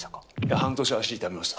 半年、足痛めました。